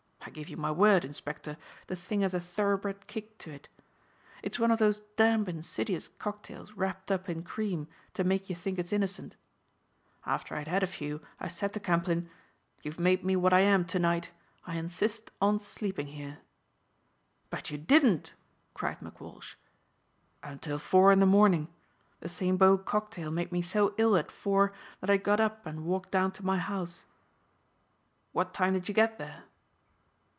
I give you my word, inspector, the thing has a thoro'bred kick to it. It's one of those damned insidious cocktails wrapped up in cream to make you think it's innocent. After I'd had a few I said to Camplyn, 'You've made me what I am to night; I insist on sleeping here." "But you didn't!" cried McWalsh. "Until four in the morning. The Saint Beau cocktail made me so ill at four that I got up and walked down to my house." "What time did you get there?"